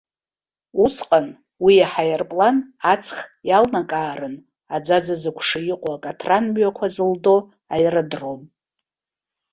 Усҟан, уи аҳаирплан аҵх иаалнакаарын, аӡаӡа зықәшы иҟоу акаҭран мҩақәа зылдоу аеродром.